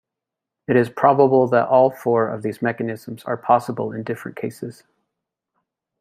It is probable that all four of these mechanisms are possible in different cases.